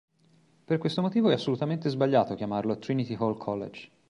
Per questo motivo è assolutamente sbagliato chiamarlo Trinity Hall College.